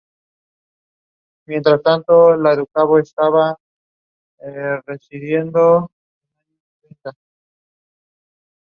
Posteriormente, decidieron remodelar y ampliar el negocio, adquiriendo el local contiguo.